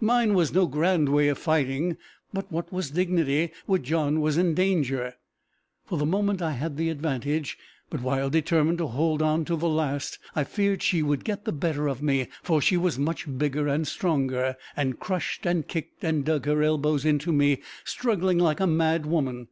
Mine was no grand way of fighting, but what was dignity where John was in danger! For the moment I had the advantage, but, while determined to hold on to the last, I feared she would get the better of me, for she was much bigger and stronger, and crushed and kicked, and dug her elbows into me, struggling like a mad woman.